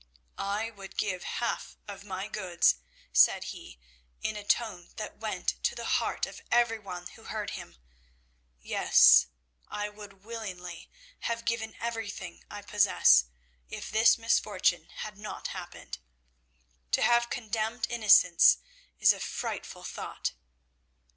"'I would give half of my goods,' said he, in a tone that went to the heart of every one who heard him 'yes, I would willingly have given everything I possess if this misfortune had not happened. To have condemned innocence is a frightful thought.'